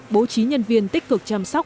bố trí nhân viên tích cực chăm sóc